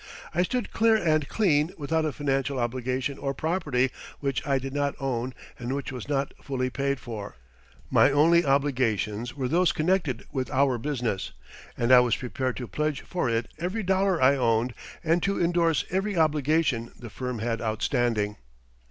I stood clear and clean without a financial obligation or property which I did not own and which was not fully paid for. My only obligations were those connected with our business; and I was prepared to pledge for it every dollar I owned, and to endorse every obligation the firm had outstanding.